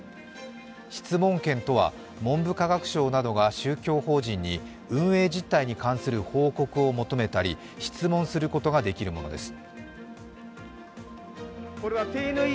質問権とは、文部科学省などが宗教法人に運営実態に関する報告を求めたり質問することができるものです。